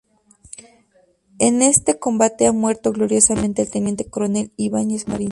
En este combate ha muerto gloriosamente el teniente coronel Ibáñez Marín.